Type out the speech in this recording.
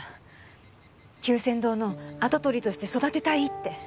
久泉堂の跡取りとして育てたいって。